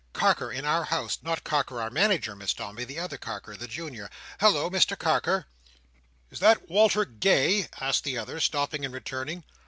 "Carker in our House. Not Carker our Manager, Miss Dombey—the other Carker; the Junior—Halloa! Mr Carker!" "Is that Walter Gay?" said the other, stopping and returning.